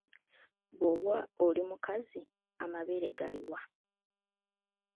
Bw’oba oli mukazi, amabeere gali wa?